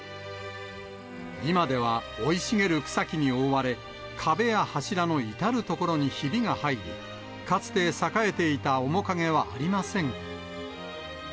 今では生い茂る草木に覆われ、壁や柱の至る所にひびが入り、かつて栄えていた面影はありません。